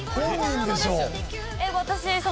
私。